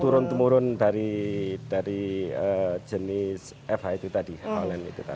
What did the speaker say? turun temurun dari jenis fh itu tadi olen itu tadi